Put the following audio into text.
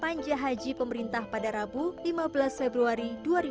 panja haji pemerintah pada rabu lima belas februari dua ribu dua puluh